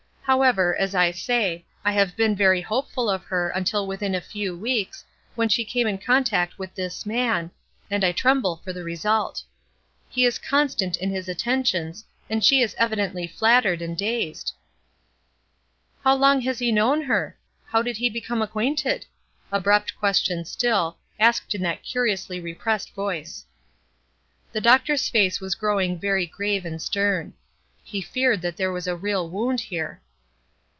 However, as I say, I have been very hopeful of her until within a few weeks, when she came in contact with this man, and I tremble for the result. He is constant in his attentions, and she is evidently flattered and dazed." "How long has he known her? How did he become acquainted?" Abrupt questions still, asked in that curiously repressed voice. The doctor's face was growing very grave and stern. He feared that there was a real wound here.